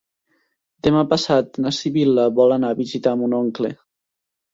Demà passat na Sibil·la vol anar a visitar mon oncle.